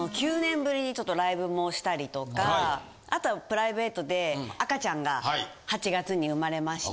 もしたりとかあとはプライベートで赤ちゃんが８月に生まれまして。